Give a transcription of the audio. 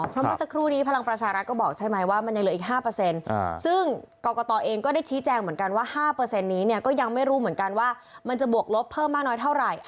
เพราะเมื่อสักครู่นี้พลังประชารัฐก็บอกใช่ไหมว่ามันยังเหลืออีก๕ซึ่งกรกตเองก็ได้ชี้แจงเหมือนกันว่า๕นี้เนี่ยก็ยังไม่รู้เหมือนกันว่ามันจะบวกลบเพิ่มมากน้อยเท่าไหร่